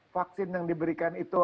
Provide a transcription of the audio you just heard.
vaksin yang diberikan itu